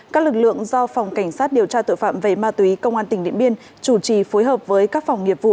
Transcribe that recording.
các lực lượng do phòng cảnh sát điều tra tội phạm về ma túy công an tỉnh điện biên chủ trì phối hợp với các phòng nghiệp vụ